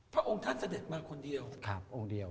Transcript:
พระองค์ท่านเสด็จมาคนเดียวองค์เดียว